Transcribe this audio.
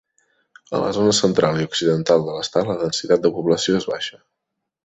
A la zona central i occidental de l'estat la densitat de la població és baixa.